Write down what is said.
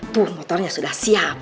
tuh motornya sudah siap